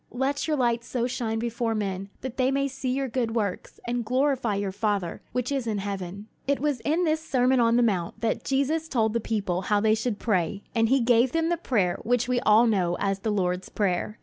Let your light so shine before men, that they may see your good works, and glorify your Father which is in heaven." It was in this Sermon on the Mount that Jesus told the people how they should pray, and he gave them the prayer which we all know as the Lord's Prayer.